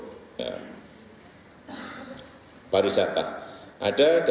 di sana juga kelihatan sekali promosi kita yang besar besaran yang ingin kita kerjakan untuk